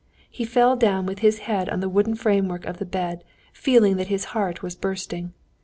He fell down with his head on the wooden framework of the bed, feeling that his heart was bursting.